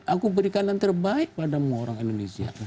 aku berikan yang terbaik padamu orang indonesia